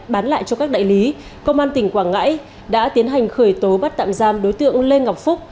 bán lại cho các đại lý công an tỉnh quảng ngãi đã tiến hành khởi tố bắt tạm giam đối tượng lê ngọc phúc